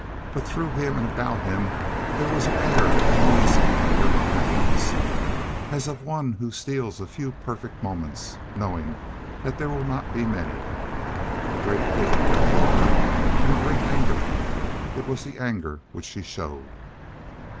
But through him and about him there was an air of uneasy, alert happiness as of one who steals a few perfect moments, knowing that they will not be many. A great pity welled in her, and a great anger. It was the anger which showed.